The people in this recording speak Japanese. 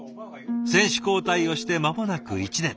選手交代をして間もなく１年。